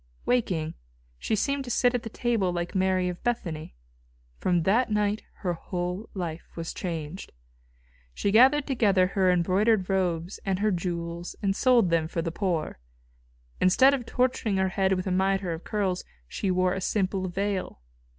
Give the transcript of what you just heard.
Waking, she seemed to sit at the table like Mary of Bethany. From that night her whole life was changed. She gathered together her embroidered robes and her jewels and sold them for the poor. Instead of torturing her head with a mitre of curls, she wore a simple veil.